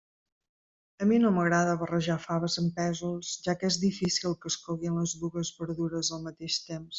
A mi no m'agrada barrejar faves amb pèsols, ja que és difícil que es coguin les dues verdures al mateix temps.